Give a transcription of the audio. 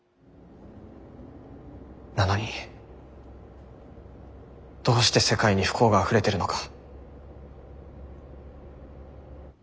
なのにどうして世界に不幸があふれてるのか。